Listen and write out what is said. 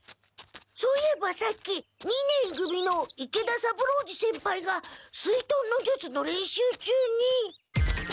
そういえばさっき２年い組の池田三郎次先輩が水遁の術の練習中に。